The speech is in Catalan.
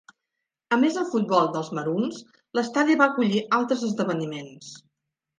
A més del futbol dels Maroons, l'estadi va acollir altres esdeveniments.